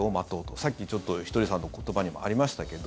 さっき、ちょっと、ひとりさんの言葉にもありましたけど。